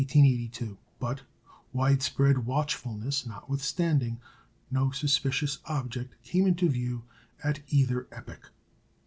But, widespread watchfulness notwithstanding, no suspicious object came into view at either epoch.